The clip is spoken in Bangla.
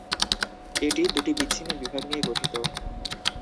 এটি দুটি বিচ্ছিন্ন বিভাগ নিয়ে গঠিত।